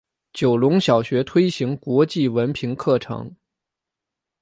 九龙小学推行国际文凭课程。